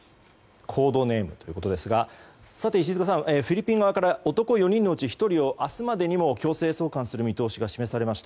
コードネームということですが石塚さん、フィリピン側から男４人のうち１人を明日までに強制送還する見通しが示されました。